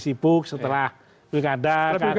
sibuk setelah bingkada